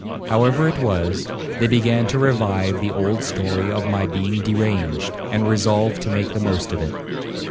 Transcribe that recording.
However it was, they began to revive the old story of my being deranged, and resolved to make the most of it.